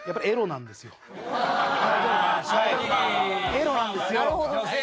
エロなんですよ。